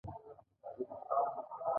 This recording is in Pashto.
موټر پاک ساتل ښه کار دی.